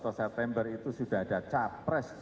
tahun engkuh tahun ini sudah tahun politik tadi